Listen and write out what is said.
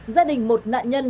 gia đình một nạn nhân